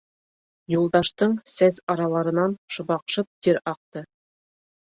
Юлдаштың сәс араларынан шыбаҡшып тир аҡты.